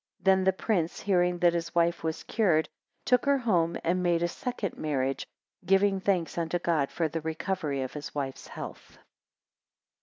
22 Then the prince hearing that his wife was cured, took her home and made a second marriage, giving thanks unto God for the recovery of his wife's health.